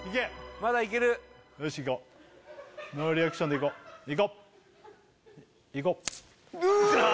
まだいけるよしいこうノーリアクションでいこういこう！